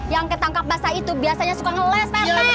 yang ketangkap basah itu biasanya suka ngeles pak rt